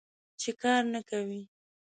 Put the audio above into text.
چې کار نه کوې.